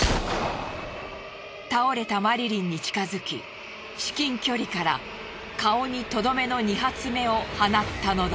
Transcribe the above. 倒れたマリリンに近づき至近距離から顔にとどめの２発目を放ったのだ。